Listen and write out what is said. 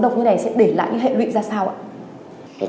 những nguồn tin xấu độc như thế này sẽ để lại hệ lụy ra sao ạ